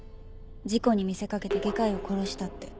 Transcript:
事故に見せかけて外科医を殺したって。